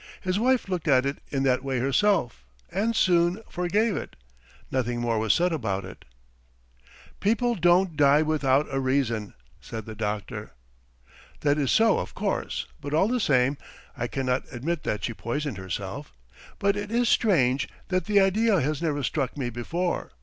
His wife looked at it in that way herself and soon ... forgave it. Nothing more was said about it. ..." "People don't die without a reason," said the doctor. "That is so, of course, but all the same ... I cannot admit that she poisoned herself. But it is strange that the idea has never struck me before!